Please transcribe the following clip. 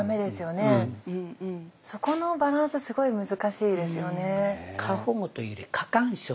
そこのバランスすごい難しいですよね。